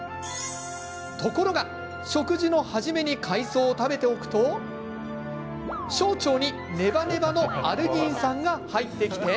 ところが食事の初めに海藻を食べておくと小腸にネバネバのアルギン酸が入ってきて。